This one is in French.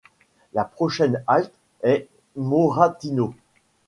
La prochaine halte est Moratinos.